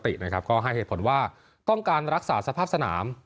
ตินะครับก็ให้เหตุผลว่าต้องการรักษาสภาพสนาม